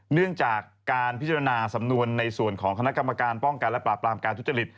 เนื่องจากการพิจารณาสำนวนในส่วนของคณะกรรมการป้องกันและปราบปรามการทุจริต